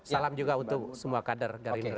salam juga untuk semua kader dari indonesia